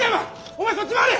お前そっち回れ！